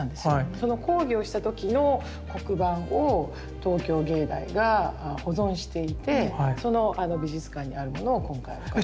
その講義をした時の黒板を東京藝大が保存していてその美術館にあるものを今回お借りして。